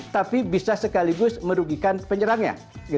tapi bisa sekaligus merugikan penyerangnya